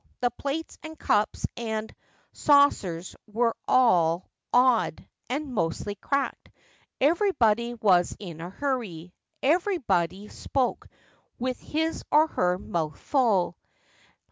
The plates and cups and saucers were all odd, and mostly cracked. Everybody was in a hurry ; everybody spoke with his or her mouth full.